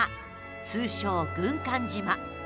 通称、軍艦島。